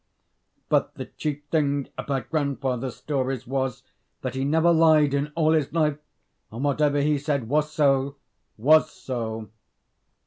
But the chief thing about grandfather's stories was, that he never lied in all his life; and whatever he said was so, was so.